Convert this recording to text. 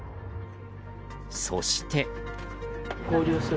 そして。